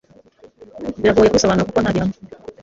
biragoye kubisobanura kuko nta gihamya